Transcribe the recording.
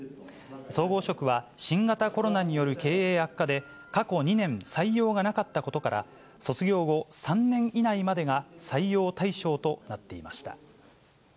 総合職は、新型コロナによる経営悪化で、過去２年、採用がなかったことから、卒業後、３年以内までが採用対象となっていました。